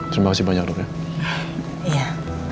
terima kasih banyak dokter ya